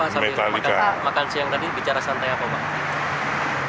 sampai makan siang tadi bicara santai apa pak